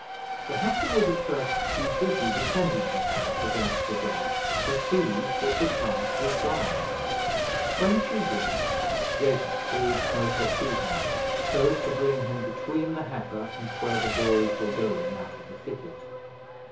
The heifer was at first too busy defending herself against the dog to perceive that the calf was gone; when she did, Jacob called Smoker to him, so as to bring him between the heifer and where the boys were going out of the thicket.